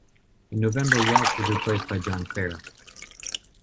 In November, Welch was replaced by John Fair.